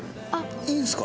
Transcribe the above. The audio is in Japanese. いいんすか？